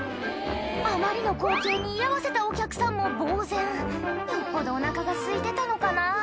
あまりの光景に居合わせたお客さんもぼうぜんよっぽどおなかがすいてたのかな？